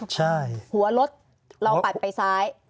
ใช่หัวรถเราปัดไปซ้าย